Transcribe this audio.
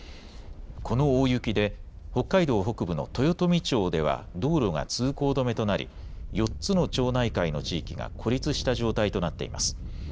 この大雪で北海道北部の豊富町では道路が通行止めとなり４つの町内会の地域が孤立した状態となっています。